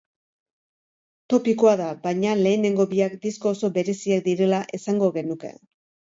Topikoa da, baina lehenengo biak disko oso bereziak direla esango genuke.